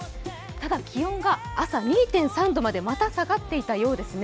ただ気温が朝２．３度までまた下がっていたようですね。